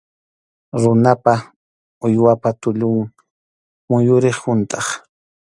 Runapa, uywapa tullun muyuriq huntʼaq.